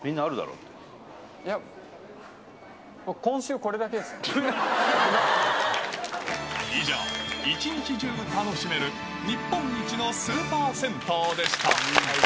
いや、今週、以上、一日中楽しめる日本一のスーパー銭湯でした。